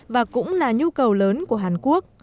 và cũng là nhu cầu lớn của hàn quốc